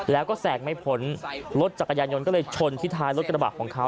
แล้วก็แสงไม่พ้นรถจักรยานยนต์ก็เลยชนที่ท้ายรถกระบะของเขา